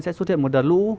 sẽ xuất hiện một đợt lũ